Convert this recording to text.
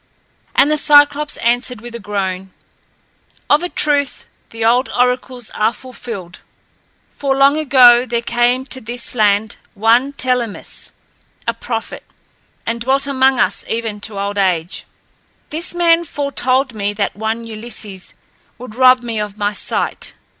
And the Cyclops answered with a groan, "Of a truth, the old oracles are fulfilled, for long ago there came to this land one Telemus, a prophet, and dwelt among us even to old age. This man foretold me that one Ulysses would rob me of my sight.